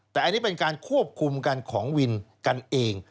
แต่อันนี้เป็นการควบคุมกันของวินกันเอง